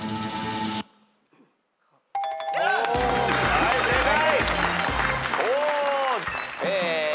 はい正解。